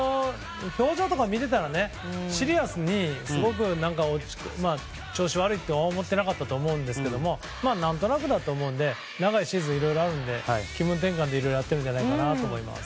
表情とか見ていたらシリアスにすごく調子悪いと思っていなかったと思うんですけど何となくだと思うので長いシーズンいろいろあるので気分転換でいろいろやってるんじゃないかなと思います。